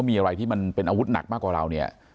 มีอะไรที่มันเป็นอาวุธหนักมากกว่าเราเนี่ย